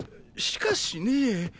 しかしねえ。